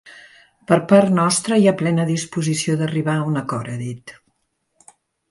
Per part nostra hi ha plena disposició d’arribar a un acord, ha dit.